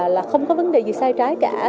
là không có vấn đề gì sai trái cả